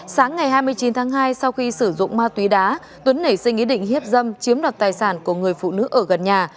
sáng ngày hai mươi chín tháng hai sau khi sử dụng ma túy đá tuấn nảy sinh ý định hiếp dâm chiếm đoạt tài sản của người phụ nữ ở gần nhà